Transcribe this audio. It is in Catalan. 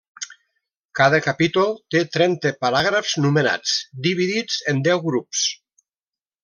Cada capítol té trenta paràgrafs numerats, dividits en deu grups.